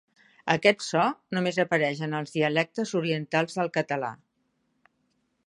Aquest so només apareix en els dialectes orientals del català.